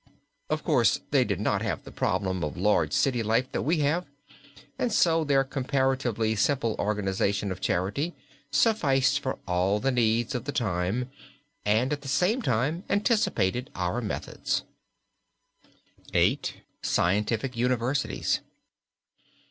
Of course, they did not have the problem of large city life that we have, and so their comparatively simple organization of charity sufficed for all the needs of the time, and at the same time anticipated our methods. VIII. SCIENTIFIC UNIVERSITIES.